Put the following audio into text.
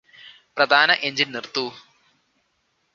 പ്രധാന എന്ജിന് നിര്ത്തൂ